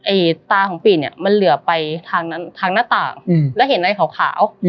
ไอ้ตาของปิ๊บเนี่ยมันเหลือไปทางหน้าตาแล้วเห็นในขาว